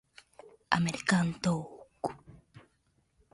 アメリカンドッグ